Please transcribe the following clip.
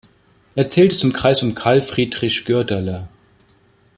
Er zählte zum Kreis um Carl Friedrich Goerdeler.